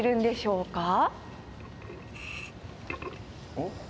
おっ？